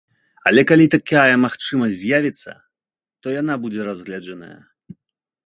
Але калі такая магчымасць з'явіцца, то яна будзе разгледжаная.